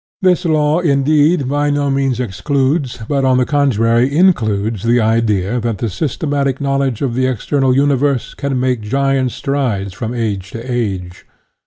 This law, indeed, by no means excludes, but, on the contrary, includes the idea that the sys tematic knowledge of the external universe can make giant strides from age to age.